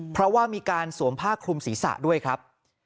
เพราะว่ามีการสวมผ้าคลุมศีรษะด้วยครับ